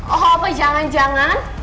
oh apa jangan jangan